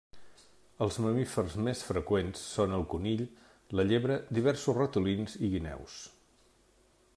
Els mamífers més freqüents són el conill, la llebre, diversos ratolins i guineus.